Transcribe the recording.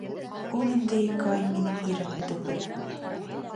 Ул инде ике ай минең ирем түгел.